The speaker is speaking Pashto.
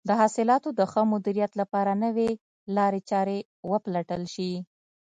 د حاصلاتو د ښه مدیریت لپاره نوې لارې چارې وپلټل شي.